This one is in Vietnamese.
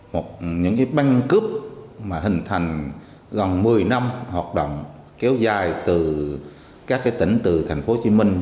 một những cái băng cướp mà hình thành gần một mươi năm hoạt động kéo dài từ các tỉnh từ thành phố hồ chí minh